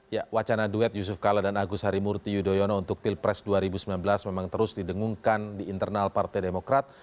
ya wacana duet yusuf kala dan agus harimurti yudhoyono untuk pilpres dua ribu sembilan belas memang terus didengungkan di internal partai demokrat